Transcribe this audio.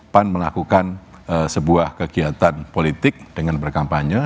pan melakukan sebuah kegiatan politik dengan berkampanye